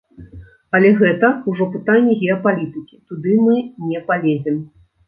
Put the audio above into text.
Але гэта ўжо пытанні геапалітыкі, туды мы не палезем.